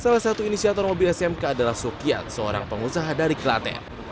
salah satu inisiator mobil smk adalah sukiat seorang pengusaha dari klaten